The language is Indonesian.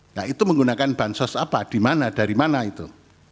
nah itu menggunakan bansos apa di mana dari mana itu